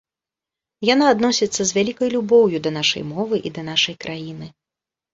Яна адносіцца з вялікай любоўю да нашай мовы і да нашай краіны.